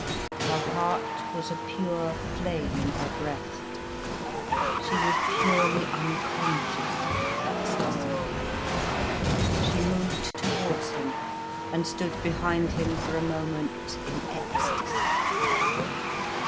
Her heart was a pure flame in her breast, she was purely unconscious in ecstasy. She moved towards him and stood behind him for a moment in ecstasy.